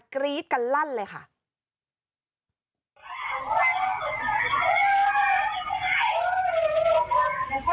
กรี๊ดกันลั่นเลยค่ะ